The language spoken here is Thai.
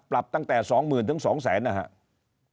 ปรับตั้งแต่๒๐๐๐๒๐๐๐นะครับ